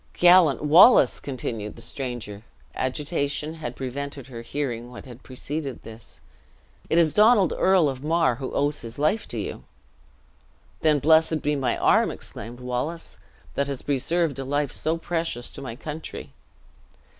"Gallant Wallace!" continued the stranger agitation had prevented her hearing what had preceded this "it is Donald Earl of Mar, who owes his life to you." "Then blessed be my arm," exclaimed Wallace, "that has preserved a life so precious to my country!"